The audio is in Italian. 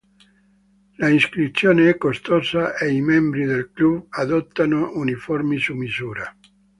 L'iscrizione è costosa e i membri del club adottano uniformi su misura.